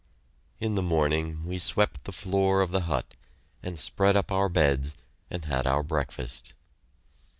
In the morning we swept the floor of the hut, and spread up our beds and had our breakfast.